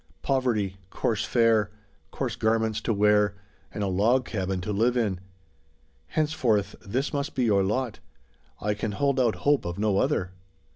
Poverty, coarse fare, coarse garments to wear, and a log cabin to live in! Henceforth, this must be your lot. I can hold out hope of no other."